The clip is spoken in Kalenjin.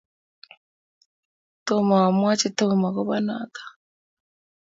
tomo amwochi Tom akobo noto